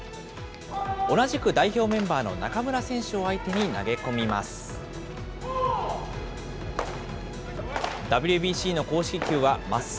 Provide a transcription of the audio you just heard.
同じく代表メンバーの中村選手を相手に投げ込みます。